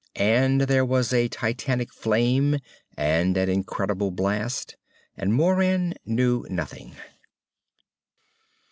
And there was a titanic flame and an incredible blast and Moran knew nothing.